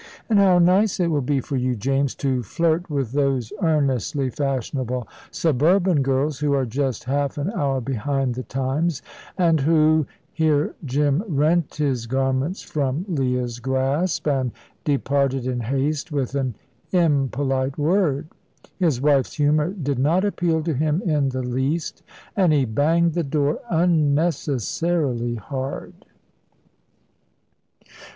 And how nice it will be for you, James, to flirt with those earnestly fashionable suburban girls, who are just half an hour behind the times, and who " Here Jim rent his garments from Leah's grasp, and departed in haste with an impolite word. His wife's humour did not appeal to him in the least, and he banged the door unnecessarily hard.